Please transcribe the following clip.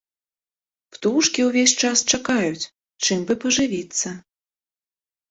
Птушкі ўвесь час чакаюць, чым бы пажывіцца.